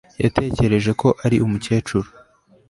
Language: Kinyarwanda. yatekereje ko ari umukecuru